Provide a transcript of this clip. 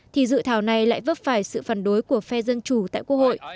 thì dự thảo này lại vấp phải sự phản đối của phe dân chủ tại quốc hội